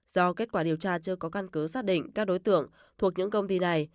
do kết quả điều tra chưa có căn cứ xác định các đối tượng thuộc những công ty này